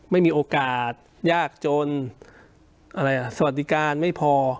ไม่มีโอกาสยากจนสวัสดิการไม่พอ